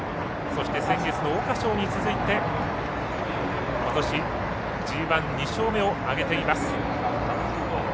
そして、先月の桜花賞に続いてことしＧＩ２勝目を挙げています。